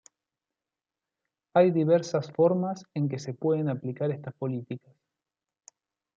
Hay diversas formas en que se pueden aplicar estas políticas.